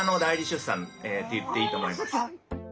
って言っていいと思います。